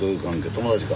友達か。